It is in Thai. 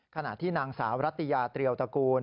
ขณะที่นางสาวรัตยาเตรียวตระกูล